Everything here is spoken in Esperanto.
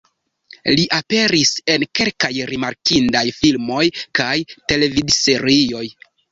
Li aperis en kelkaj rimarkindaj filmoj kaj televidserioj.